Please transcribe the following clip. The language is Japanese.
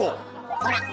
ほら！